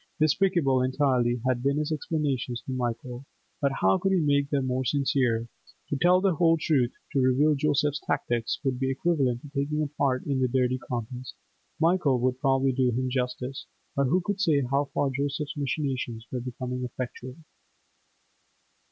Despicable entirely had been his explanations to Michael, but how could he make them more sincere? To tell the whole truth, to reveal Joseph's tactics would be equivalent to taking a part in the dirty contest; Michael would probably do him justice, but who could say how far Joseph's machinations were becoming effectual?